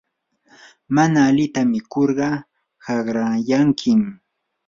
mana alita mikurqa haqrayankim.